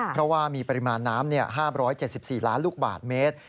เพราะว่ามีปริมาณน้ำ๕๗๔ล้านลูกบาทเมตร